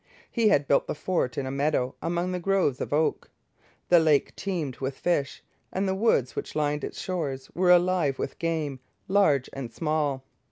He had built the fort in a meadow, among groves of oak. The lake teemed with fish, and the woods which lined its shores were alive with game, large and small.